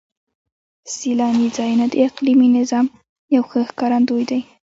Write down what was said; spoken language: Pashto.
سیلاني ځایونه د اقلیمي نظام یو ښه ښکارندوی دی.